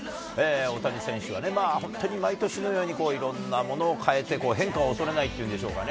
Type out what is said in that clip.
大谷選手は、本当に毎年のように、いろんなものを変えて、変化をおそれないっていうんでしょうかね。